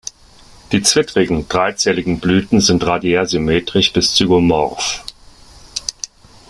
Die zwittrigen, dreizähligen Blüten sind radiärsymmetrisch bis zygomorph.